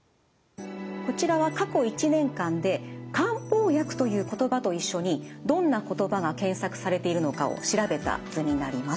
こちらは過去１年間で「漢方薬」という言葉と一緒にどんな言葉が検索されているのかを調べた図になります。